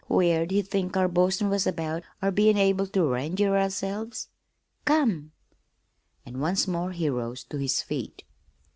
Where'd he think our boastin' was about our bein' able ter enj'y ourselves? Come!" And once more he rose to his feet.